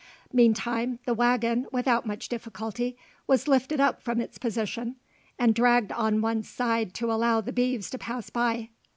Meantime the waggon without much difficulty was lifted up from its position, and dragged on one side to allow the beeves to pass by.